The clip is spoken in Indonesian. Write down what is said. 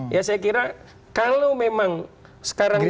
ya saya kira kalau memang sekarang ini